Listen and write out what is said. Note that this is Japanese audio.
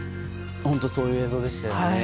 本当そういう映像でしたよね。